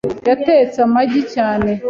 Yatetse amagi cyane. .